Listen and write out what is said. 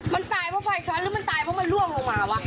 มันตายเพราะไฟช็อตหรือมันตายเพราะมันล่วงลงมาว่ะ